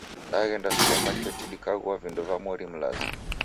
Daghenda supamaketi dikaghua vindo va mori mlazi